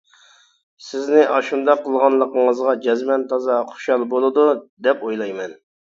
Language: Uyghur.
سىزنى ئاشۇنداق قىلغانلىقىڭىزغا جەزمەن تازا خۇشال بولىدۇ، دەپ ئويلايمەن.